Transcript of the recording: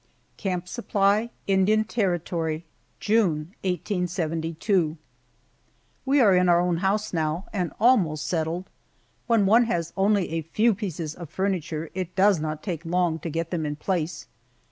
CAMP SUPPLY, INDIAN TERRITORY, June, 1872. WE are in our own house now and almost settled. When one has only a few pieces of furniture it does not take long to get them in place.